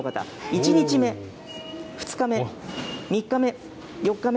１日目、２日目、３日目、４日目。